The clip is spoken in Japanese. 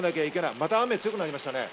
また雨が強くなりました。